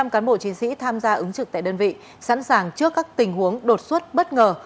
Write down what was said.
một trăm linh cán bộ chiến sĩ tham gia ứng trực tại đơn vị sẵn sàng trước các tình huống đột xuất bất ngờ